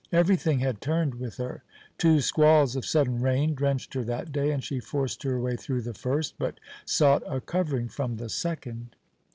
Everything had turned with her. Two squalls of sudden rain drenched her that day, and she forced her way through the first, but sought a covering from the second.